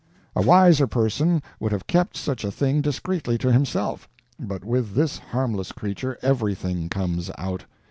A wiser person would have kept such a thing discreetly to himself, but with this harmless creature everything comes out.